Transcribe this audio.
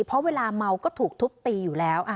เพราะเวลาเมาก็ถูกทุบตีอยู่แล้ว